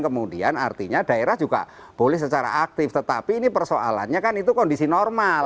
kemudian artinya daerah juga boleh secara aktif tetapi ini persoalannya kan itu kondisi normal